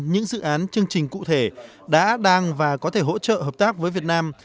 những dự án chương trình cụ thể đã đang và có thể hỗ trợ hợp tác với việt nam